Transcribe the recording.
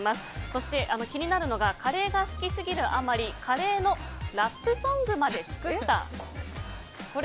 そして、気になるのがカレーが好きすぎるあまりカレーのラップソングまで作った。